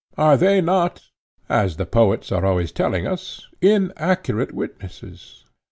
Are they not, as the poets are always telling us, inaccurate witnesses?